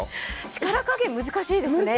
力加減、難しいですね。